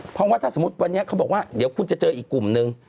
เพราะว่าถ้าสมมุติวันนี้เขาบอกว่าเดี๋ยวคุณจะเจออีกกลุ่มนึง